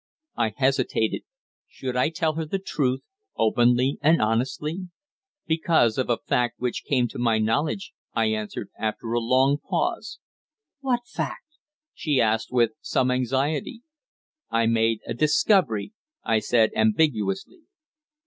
I hesitated. Should I tell her the truth openly and honestly? "Because of a fact which came to my knowledge," I answered, after a long pause. "What fact?" she asked with some anxiety. "I made a discovery," I said ambiguously.